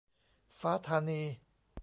ฟ้าธานี